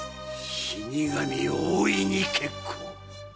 死神大いに結構。